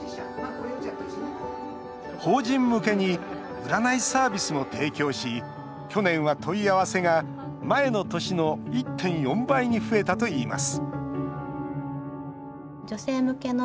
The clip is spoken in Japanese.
法人向けに占いサービスも提供し去年は問い合わせが前の年の１．４倍に増えたといいます